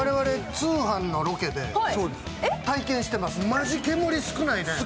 マジ煙、少ないね。